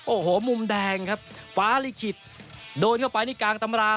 โอ้โหมุมแดงครับฟ้าลิขิตโดนเข้าไปนี่กลางตำราง